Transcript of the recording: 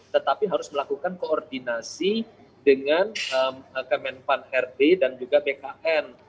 tetapi harus melakukan koordinasi dengan kemenpan rb dan juga bkn